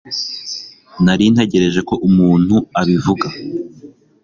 Nari ntegereje ko umuntu abivuga